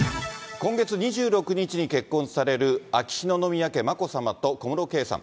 今月２６日に結婚される、秋篠宮家眞子さまと小室圭さん。